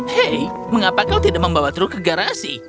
hei mengapa kau tidak membawa truk ke garasi